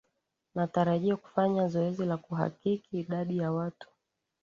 natarajia kufanya zoezi la kuhakiki idadi ya watu